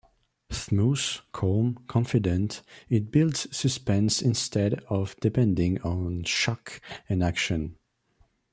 Smooth, calm, confident, it builds suspense instead of depending on shock and action.